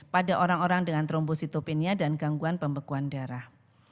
pada orang orang dengan trombositopenia dan gangguan pembekuan darah